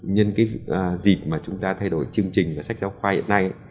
nhân cái dịp mà chúng ta thay đổi chương trình sách giáo khoa hiện nay